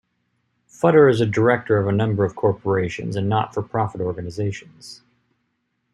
Futter is a director of a number of corporations and not-for-profit organizations.